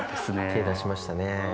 手出しましたね。